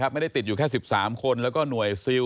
ไม่ได้ติดอยู่แค่๑๓คนแล้วก็หน่วยซิล